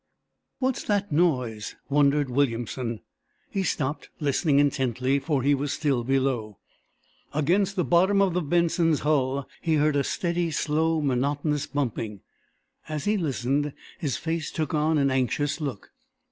"What's that noise?" wondered Williamson. He stopped, listening intently, for he was still below. Against the bottom of the "Benson's" hull he heard a steady, slow, monotonous bumping. As he listened, his face took on an anxious look.